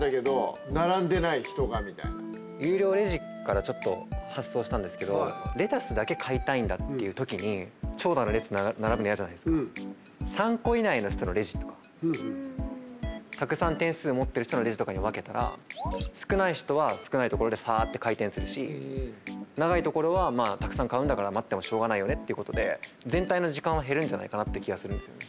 有料レジからちょっと発想したんですけどレタスだけ買いたいんだっていう時に長蛇の列並ぶの嫌じゃないですか。とかたくさん点数持ってる人のレジとかに分けたら少ない人は少ない所でサって回転するし長いところはまあたくさん買うんだから待ってもしょうがないよねっていうことで全体の時間は減るんじゃないかなって気はするんですよね。